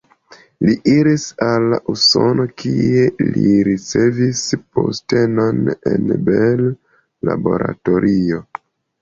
Li iris al Usono, kie li ricevis postenon en Bell Laboratorio.